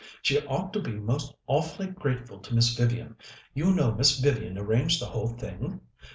She ought to be most awfully grateful to Miss Vivian. You know Miss Vivian arranged the whole thing?